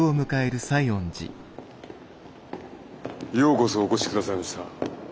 ようこそお越しくださいました。